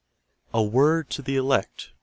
A WORD TO THE "ELECT."